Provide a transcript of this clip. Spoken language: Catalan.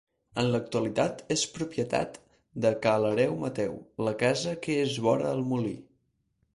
En l'actualitat és propietat de Ca l'hereu Mateu, la casa que és vora el molí.